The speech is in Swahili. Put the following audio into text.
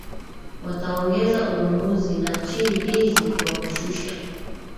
wataongeza ununuzi na chini hizi kwa kushusha